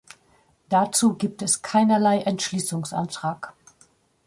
Dazu gibt es keinerlei Entschließungsantrag!